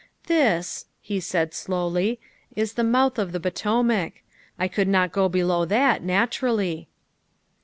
" This," he said slowly, " is the mouth of the Poto mac ; I could not go below that, naturally.